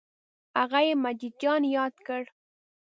هغه یې مجید جان یاد کړ.